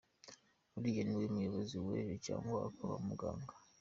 Uriya ni we muyobozi w’ejo cyangwa akaba muganga.